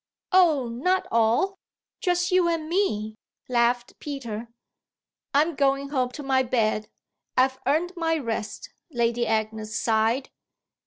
"Oh not all; just you and me!" laughed Peter. "I'm going home to my bed. I've earned my rest," Lady Agnes sighed.